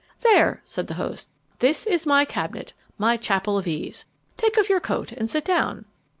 "There," said the host; "this is my cabinet, my chapel of ease. Take off your coat and sit down."